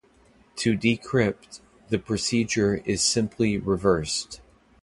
To decrypt, the procedure is simply reversed.